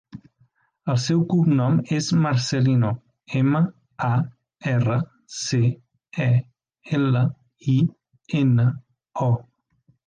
El seu cognom és Marcelino: ema, a, erra, ce, e, ela, i, ena, o.